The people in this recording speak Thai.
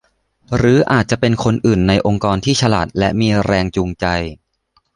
หรืออาจจะเป็นคนอื่นในองค์กรที่ฉลาดและมีแรงจูงใจ